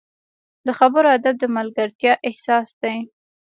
د خبرو ادب د ملګرتیا اساس دی